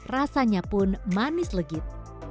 rasanya pun manis legit